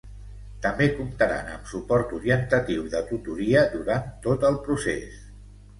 També comptaran amb suport orientatiu i de tutoria durant tot el procés.